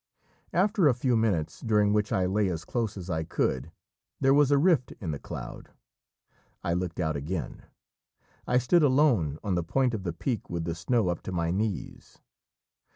After a few minutes, during which I lay as close as I could, there was a rift in the cloud. I looked out again. I stood alone on the point of the peak with the snow up to my knees.